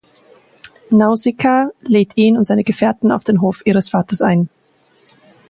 Nausikaa lädt ihn und seine Gefährten auf den Hof ihres Vaters ein.